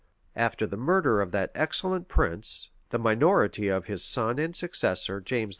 After the murder of that excellent prince, the minority of his son and successor, James II.